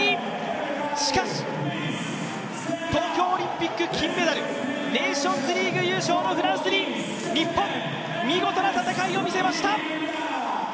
しかし、東京オリンピック金メダルネーションズリーグ優勝のフランスに日本、見事な戦いを見せました。